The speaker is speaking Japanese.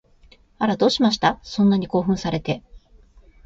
あら、どうしました？そんなに興奮されて